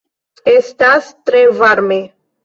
Estas tre varme.